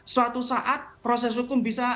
suatu saat proses hukum bisa